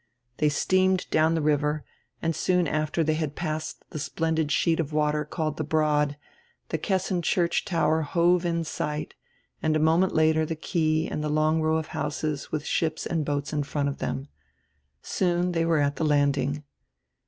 They steamed down die river and soon after they had passed die splendid sheet of water called die "Broad" the Kessin church tower hove in sight and a moment later die quay and die long row of houses with ships and boats in front of diem. Soon diey were at die landing.